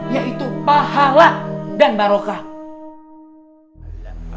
yaitu pahala dan barokah